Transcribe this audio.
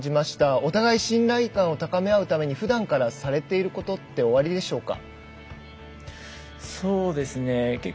お互い信頼感を高め合うために普段からされていることはおありですか。